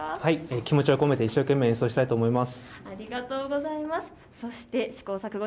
気持ちを込めて一生懸命演奏したいと思います。